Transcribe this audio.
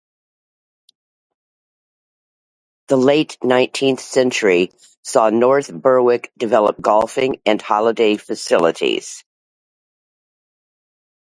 The late-nineteenth century saw North Berwick develop golfing and holiday facilities.